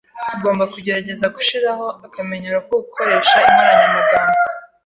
Ugomba kugerageza gushiraho akamenyero ko gukoresha inkoranyamagambo.